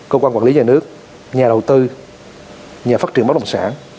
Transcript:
cơ quan quản lý nhà nước nhà đầu tư nhà phát triển bất đồng sản